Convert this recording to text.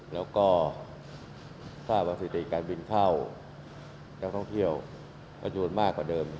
แล้วก็สร้างประสิทธิการวินเข้าและท่องเที่ยวก็โยนมากกว่าเดิม